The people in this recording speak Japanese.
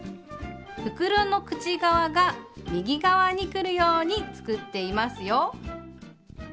袋の口側が右側にくるように作っていますよ。